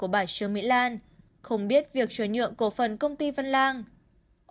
ông trí khai gặp ông minh tại sân bay do tình cờ và không đưa cho hồ quốc minh bất cứ tài liệu giấy tờ gì